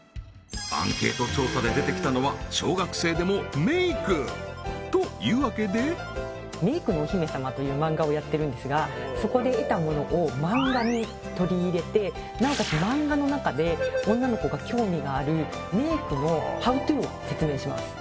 アンケート調査で出てきたのはというわけでメイクのお姫様というマンガをやってるんですがそこで得たものをマンガに取り入れてなおかつマンガの中で女の子が興味があるメイクのハウツーを説明します